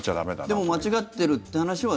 でも間違ってるって話は。